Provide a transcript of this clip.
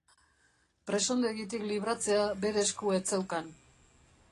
Presondegitik libratzea bere esku ez zeukan.